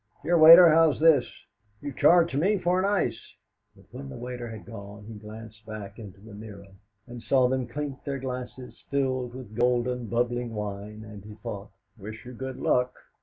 "Here, waiter, how's this? You've charged me for an ice!" But when the waiter had gone he glanced back into the mirror, and saw them clink their glasses filled with golden bubbling wine, and he thought: 'Wish you good luck!